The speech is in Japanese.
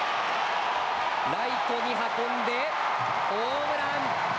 ライトに運んで、ホームラン。